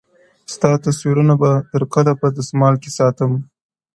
ستا تصويرونه به تر کله په دُسمال کي ساتم”